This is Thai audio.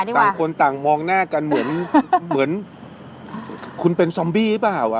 ต่างคนต่างมองหน้ากันเหมือนคุณเป็นซอมบี้หรือเปล่า